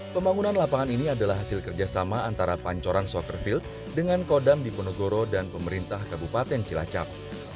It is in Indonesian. pembangunan lapangan ini adalah hasil kerjasama antara pancoran soccerfield dengan kodam diponegoro dan pemerintah kabupaten cilacap